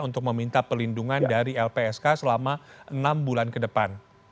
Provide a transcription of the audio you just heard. untuk meminta pelindungan dari lpsk selama enam bulan ke depan